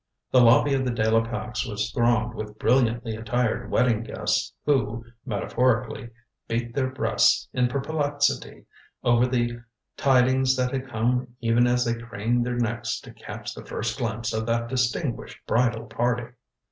The lobby of the De la Pax was thronged with brilliantly attired wedding guests who, metaphorically, beat their breasts in perplexity over the tidings that had come even as they craned their necks to catch the first glimpse of that distinguished bridal party.